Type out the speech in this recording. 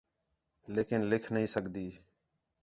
لیکن لکھ نہیں سڳدی